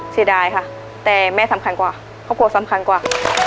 เสียดายค่ะแต่แม่สำคัญกว่าครอบครัวสำคัญกว่า